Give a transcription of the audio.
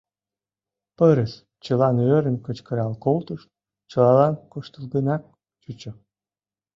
— Пырыс! — чылан ӧрын кычкырал колтышт, чылалан куштылгынак чучо.